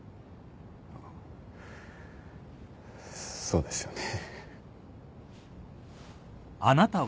そうですよね。